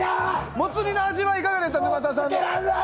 モツ煮の味はいかがでしたか。